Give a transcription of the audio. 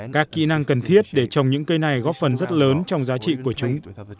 các kỹ năng cần thiết để trồng những cây này góp phần rất lớn trong giá trị của chúng